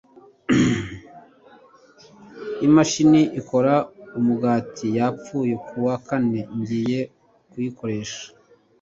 imashini ikora umugati yapfuye kuwa kane ngiye kuyikoresha